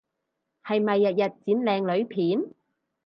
係咪日日剪靚女片？